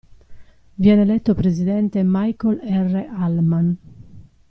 Viene eletto presidente Michael R. Hallman.